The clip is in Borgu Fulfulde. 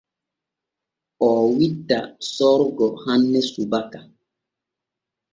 Oo witta Sorgo hanne subaka.